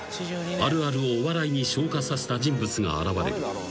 あるあるをお笑いに昇華させた人物が現れる。